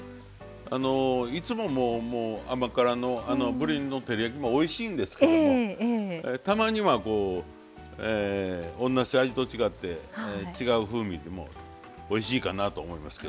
いつも甘辛のぶりの照り焼きもおいしいんですけどもたまには同じ味と違って違う風味もおいしいかなと思いますけどね。